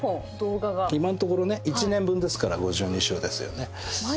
今んところね一年分ですから５２週ですよね。